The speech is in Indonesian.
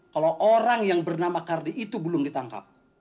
kalau orang yang bernama kardi itu belum ditangkap